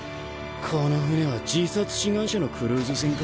この船は自殺志願者のクルーズ船かよ。